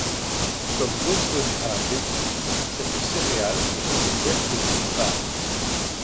Comme d'autres grains vêtus, cette céréale est recouverte d'une balle.